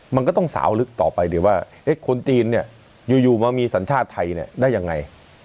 มันก็ต้องสาวลึกต่อไปดิว่าคนจีนเนี่ยอยู่มามีสัญชาติไทยได้ยังไง